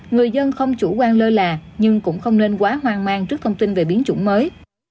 người dân không chủ quan lơ là nhưng cũng không nên quá hoang mang trước thông tin về biến chủng mới